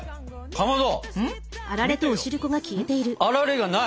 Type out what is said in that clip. かまど！